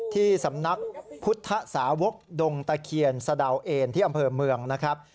ที่สำนักพุทธสาวกดงตะเคียนสะดาวเอนที่อำเภอเมืองนะครับ